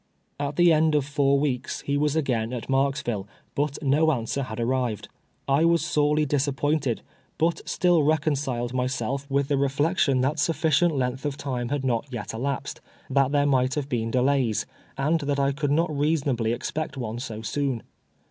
At the end of four weeks he was again at Marks ville, but no answer had arrived. I was sorely disap pointed, but still reconciled myself with the reflection BASS EXDEATORS TO CHEER ME. 277 tliat sufficient length of time had not vet elapsed — that there might have been delays — and that I could not reasonably expect one so soon.